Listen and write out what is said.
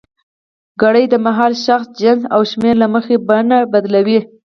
کړ د مهال، شخص، جنس او شمېر له مخې بڼه بدلوي.